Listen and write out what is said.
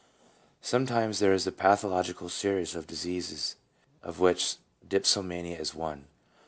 Sometimes there is a pathological series of diseases of which dipsomania is one.